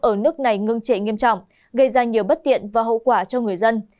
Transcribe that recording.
ở nước này ngưng trệ nghiêm trọng gây ra nhiều bất tiện và hậu quả cho người dân